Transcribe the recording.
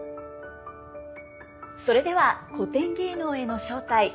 それでは「古典芸能への招待」